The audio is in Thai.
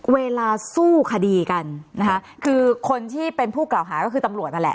เวลาสู้คดีกันนะคะคือคนที่เป็นผู้กล่าวหาก็คือตำรวจนั่นแหละ